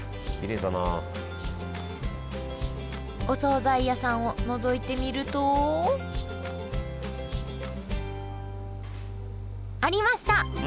お総菜屋さんをのぞいてみると。ありました！